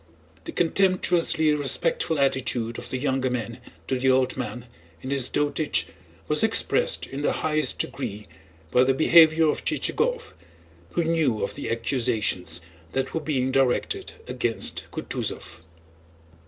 The contemptuously respectful attitude of the younger men to the old man in his dotage was expressed in the highest degree by the behavior of Chichagóv, who knew of the accusations that were being directed against Kutúzov.